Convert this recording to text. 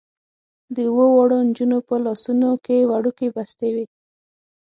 د اوو واړو نجونو په لاسونو کې وړوکې بستې وې.